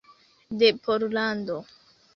De Pollando.